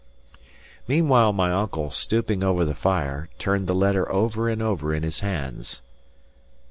Meanwhile, my uncle, stooping over the fire, turned the letter over and over in his hands.